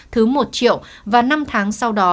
thứ một triệu và năm tháng sau đó